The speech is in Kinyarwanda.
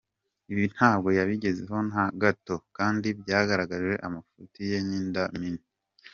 Ibi ntabwo yabigezeho na gato kandi byagaragaje amafuti ye n’inda nini.